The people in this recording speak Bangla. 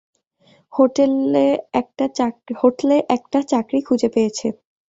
হোটলে একটা চাকরী খুঁজে পেয়েছে।